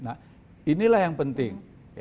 nah inilah yang penting